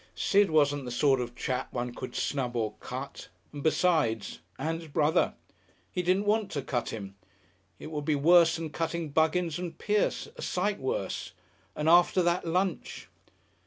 Sid wasn't the sort of chap one could snub or cut, and besides Ann's brother! He didn't want to cut him. It would be worse than cutting Buggins and Pierce a sight worse. And after that lunch!